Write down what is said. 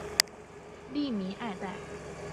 吏民爱戴。